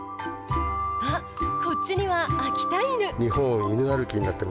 あ、こっちには秋田犬。